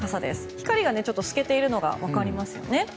光が透けているのが分かりますよね。